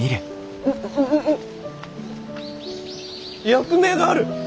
役名がある！